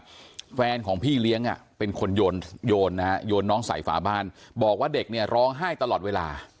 แฟนของพี่เลี้ยงอ่ะเป็นคนโยนนะฮะโยนน้องใส่ฝาบ้านบอกว่าเด็กเนี่ยร้องไห้ตลอดเวลา